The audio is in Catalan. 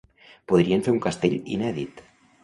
Podrien fer un castell inèdit.